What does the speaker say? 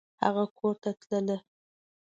هغه کورته تلله !